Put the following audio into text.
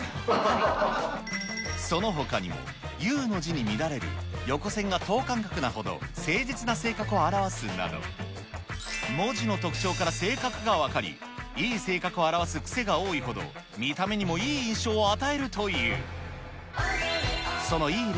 そのほかにも、雄の字に見られる横線が等間隔なほど、誠実な性格を表すなど、文字の特徴から性格が分かり、いい性格を表す癖が多いほど、見た目にもいい印象を与えるという。